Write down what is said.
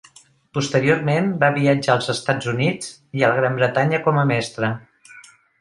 Posteriorment va viatjar als Estats Units i a la Gran Bretanya com a mestre.